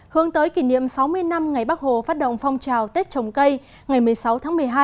hướng tới kỷ niệm sáu mươi năm ngày bắc hồ phát động phong trào tết trồng cây ngày một mươi sáu tháng một mươi hai